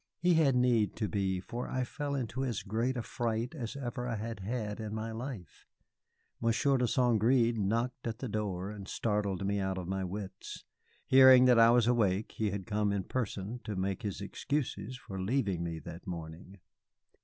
He had need to be, for I fell into as great a fright as ever I had had in my life. Monsieur de St. Gré knocked at the door and startled me out of my wits. Hearing that I was awake, he had come in person to make his excuses for leaving me that morning.